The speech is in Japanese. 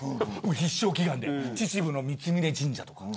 必勝祈願で秩父の三峯神社とか。